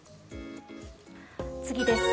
次です。